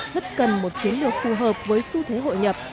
rất cần một chiến lược phù hợp với xu thế hội nhập